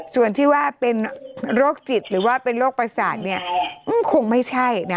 ส่วนที่ว่าเป็นโรคจิตหรือว่าเป็นโรคประสาทเนี่ยคงไม่ใช่นะ